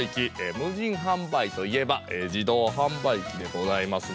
無人販売といえば自動販売機でございますもんね。